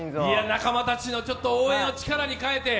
仲間たちの応援を力に変えて。